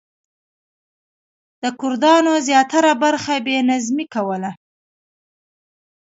د کردانو زیاتره برخه بې نظمي کوله.